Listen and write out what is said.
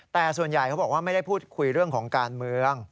แต่ส่วนใหญ่เขาบอกว่าไม่ได้พูดคุยเรื่องของการเมือง